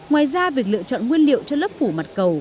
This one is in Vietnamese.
ngoài ra việc lựa chọn nguyên liệu cho lớp phủ mặt cầu